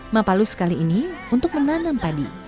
mapalus kali ini untuk menanam padi